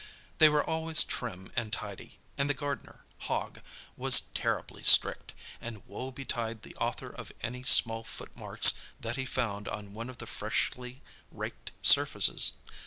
They were always trim and tidy, and the gardener, Hogg, was terribly strict, and woe betide the author of any small footmarks that he found on one of the freshly raked surfaces.